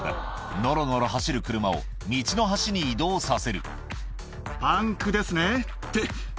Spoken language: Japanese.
ノロノロ走る車を道の端に移動させるって。